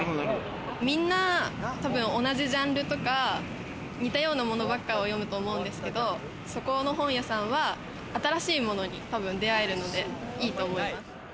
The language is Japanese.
皆、同じジャンルとか、似たようなものを読むと思うんですけど、そこの本屋さんは新しいものに多分出会えるのでいいと思います。